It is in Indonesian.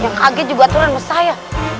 yang kaget juga tuhan bersaya